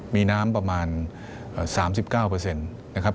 มีน้ำประมาณ๓๙นะครับ